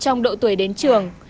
trong độ tuổi đến trường